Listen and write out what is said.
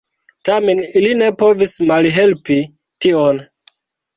Tamen ili ne povis malhelpi tion.